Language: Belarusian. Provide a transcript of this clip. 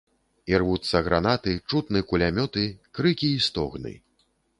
Ірвуцца гранаты, чутны кулямёты, крыкі і стогны.